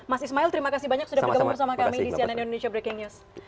mas ismail terima kasih banyak sudah bergabung bersama kami di cnn indonesia breaking news